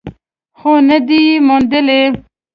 خو نه ده یې موندلې.